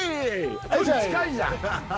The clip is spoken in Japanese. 距離近いじゃん！